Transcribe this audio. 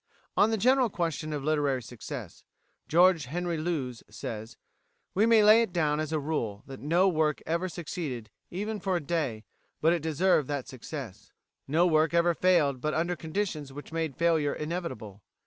On the general question of literary success, George Henry Lewes says: "We may lay it down, as a rule, that no work ever succeeded, even for a day, but it deserved that success; no work ever failed but under conditions which made failure inevitable.